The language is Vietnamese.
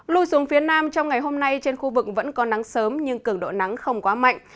lùi xuống phía nam trong ngày hôm nay trên khu vực vẫn có nắng sớm nhưng cường độ nắng không quá mạnh